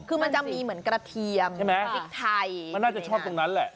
คือมันจะมีเหมือนกระเทียมใช่ไหมพริกไทยมันน่าจะชอบตรงนั้นแหละ